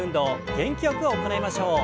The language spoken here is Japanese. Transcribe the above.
元気よく行いましょう。